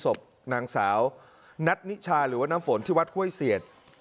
สมนังสาวนัทนิชาหรือว่าน้ำฝนที่วัดเข้าให้สเศียร